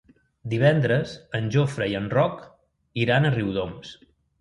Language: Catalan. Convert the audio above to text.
Divendres en Jofre i en Roc iran a Riudoms.